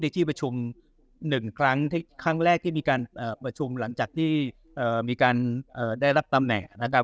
ในที่ประชุมหนึ่งครั้งที่ครั้งแรกที่มีการอ่าประชุมหลังจากที่อ่ามีการอ่าได้รับตำแหน่งนะครับ